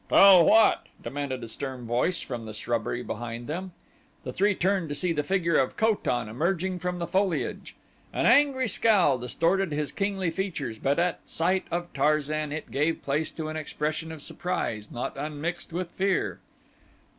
"Tell what?" demanded a stern voice from the shrubbery behind them. The three turned to see the figure of Ko tan emerging from the foliage. An angry scowl distorted his kingly features but at sight of Tarzan it gave place to an expression of surprise not unmixed with fear.